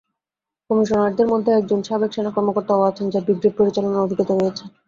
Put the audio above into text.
কমিশনারদের মধ্যে একজন সাবেক সেনা কর্মকর্তাও আছেন, যাঁর ব্রিগেড পরিচালনার অভিজ্ঞতা রয়েছে।